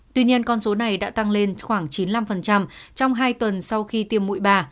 tuy nhiên con số này đã tăng lên khoảng chín mươi năm trong hai tuần sau khi tiêm mụi bà